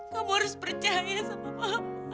kamu harus percaya sama allah